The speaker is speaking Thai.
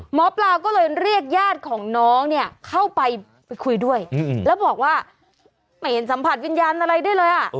หมอปลาก็เลยเรียกญาติของน้องเนี่ยเข้าไปไปคุยด้วยแล้วบอกว่าไม่เห็นสัมผัสวิญญาณอะไรด้วยเลยอ่ะ